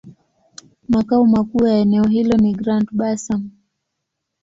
Makao makuu ya eneo hilo ni Grand-Bassam.